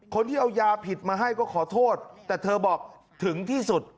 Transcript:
คนที่เอายาผิดมาให้ก็ขอโทษแต่เธอบอกถึงที่สุด